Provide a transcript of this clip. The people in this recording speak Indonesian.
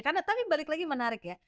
karena tapi balik lagi menarik ya